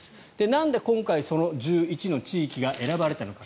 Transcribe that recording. なんで今回その１１の地域が選ばれたのか。